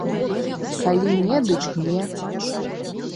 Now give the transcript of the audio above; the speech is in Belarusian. Калі не, дык не.